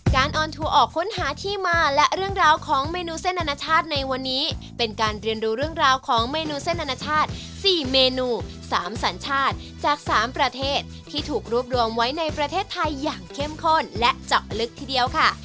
ออนทัวร์ออกค้นหาที่มาและเรื่องราวของเมนูเส้นอนาชาติในวันนี้เป็นการเรียนรู้เรื่องราวของเมนูเส้นอนาชาติ๔เมนู๓สัญชาติจาก๓ประเทศที่ถูกรวบรวมไว้ในประเทศไทยอย่างเข้มข้นและเจาะลึกทีเดียวค่ะ